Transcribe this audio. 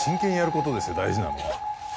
大事なのは。